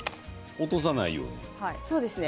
落とさないように。